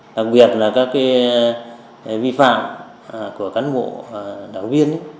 đặc biệt là các vi phạm của cán bộ đảng viên